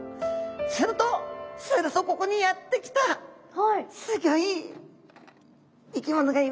するとするとここにやって来たすギョい生き物がいます。